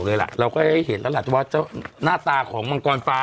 เราก็เลยเห็นละหน้าตาของบางกรฟ้า